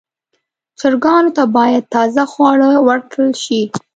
چرګانو ته باید تازه خواړه ورکړل شي.